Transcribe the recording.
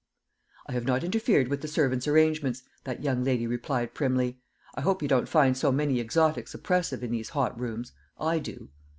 "I have not interfered with the servants' arrangements," that young lady replied primly; "I hope you don't find so many exotics oppressive in these hot rooms? I do."